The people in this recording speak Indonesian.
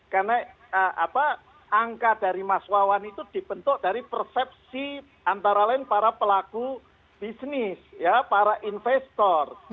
karena angka dari mas wawan itu dibentuk dari persepsi antara lain para pelaku bisnis para investor